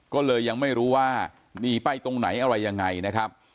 ก็เลยยังไม่รู้ว่าหนีไปตรงไหนอะไรยังไงนะครับ